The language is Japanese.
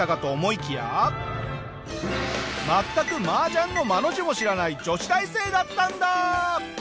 全く麻雀のマの字も知らない女子大生だったんだ！